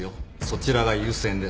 そちらが優先です。